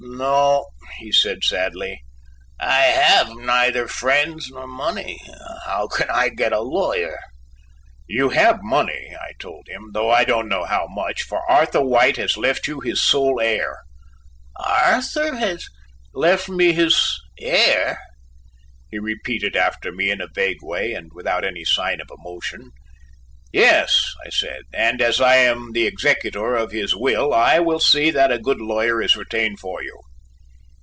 "No," he said sadly, "I have neither friends nor money. How can I get a lawyer?" "You have money," I told him, "though I don't know how much; for Arthur White has left you his sole heir." "Arthur has left me his heir!" he repeated after me in a vague way and without any sign of emotion. "Yes," I said, "and as I am the executor of his will, I will see that a good lawyer is retained for you."